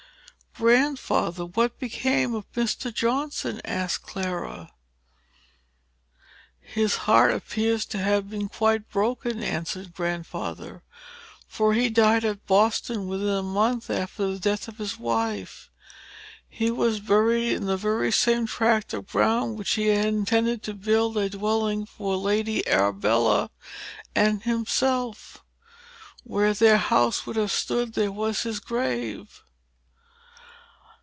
"Grandfather, what became of Mr. Johnson?" asked Clara. "His heart appears to have been quite broken," answered Grandfather; "for he died at Boston within a month after the death of his wife. He was buried in the very same tract of ground, where he had intended to build a dwelling for Lady Arbella and himself. Where their house would have stood there was his grave.